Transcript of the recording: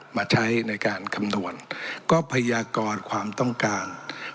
มาใช้ในการคำนวณก็พยากรความต้องการ